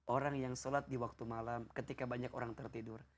orang yang sholat di waktu malam ketika banyak orang tertidur